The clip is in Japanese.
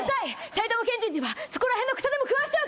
埼玉県人にはそこら辺の草でも食わしておけ！